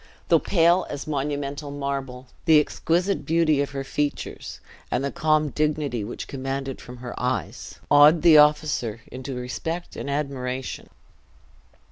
Though pale as monumental marble, the exquisite beauty of her features, and the calm dignity which commanded from her eyes, awed the officer into respect and admiration.